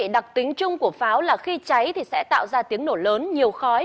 đặc tính chung của pháo là khi cháy sẽ tạo ra tiếng nổ lớn nhiều khói